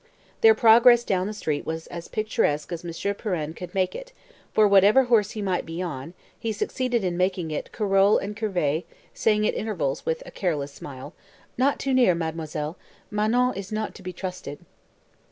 Their progress down the street was as picturesque as Monsieur Pirenne could make it; for whatever horse he might be on, he succeeded in making it caracole and curvet, saying at intervals, with a careless smile "Not too near, mademoiselle. Manon is not to be trusted."